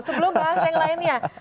sebelum bahas yang lainnya